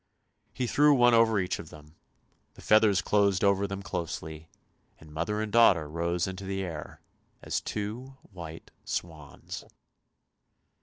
He threw one over each of them; the feathers closed over them closely, and mother and daughter rose into the air as two white swans.